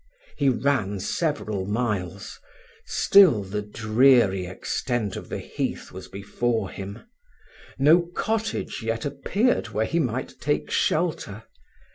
He ran several miles, still the dreary extent of the heath was before him: no cottage yet appeared where he might take shelter.